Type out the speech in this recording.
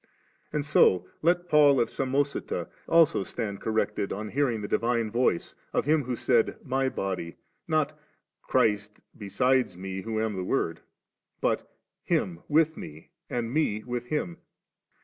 36. And so let Paul of Samosata also stand corrected on hearing the divine voice of Him who said * My body,' not ' Christ besides Me who am the Word,' but * Him ' with Me, and Me with Him.'